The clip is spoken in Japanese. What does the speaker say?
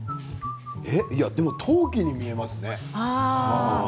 陶器に見えますね。